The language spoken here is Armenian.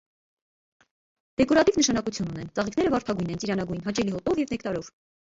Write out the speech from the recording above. Դեկորատիվ նշանակություն ունեն, ծաղիկները վարդագույն են, ծիրանագույն, հաճելի հոտով և նեկտարով։